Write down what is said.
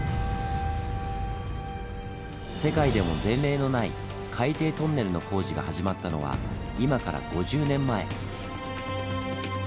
世界でも前例のない海底トンネルの工事が始まったのは今から５０年前。